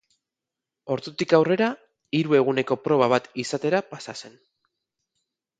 Ordutik aurrera, hiru eguneko proba bat izatera pasa zen.